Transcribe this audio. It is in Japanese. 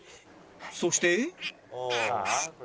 そして